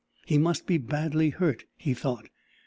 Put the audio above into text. He must be badly hurt, he thought.